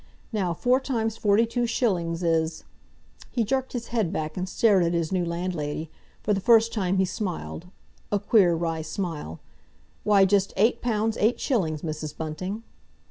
Now, four times forty two shillings is"—he jerked his head back and stared at his new landlady; for the first time he smiled, a queer, wry smile—"why, just eight pounds eight shillings, Mrs. Bunting!"